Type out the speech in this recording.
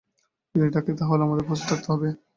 যদি ডাকে, তাহলে আমাদের প্রস্তুত থাকতে হবে।